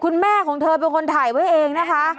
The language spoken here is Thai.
แม่ของเธอเป็นคนถ่ายไว้เองนะคะ